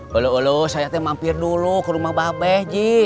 walu walu saya katanya mampir dulu ke rumah babeh ji